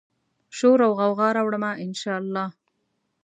شوراوغوغا راوړمه، ان شا الله